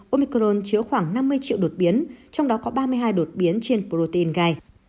omicron chứa khoảng năm mươi triệu đột biến trong đó có ba mươi hai đột biến trên protein gai